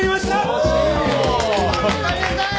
おかえりなさい！